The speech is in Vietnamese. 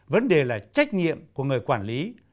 vấn đề là trách nhiệm của người quản lý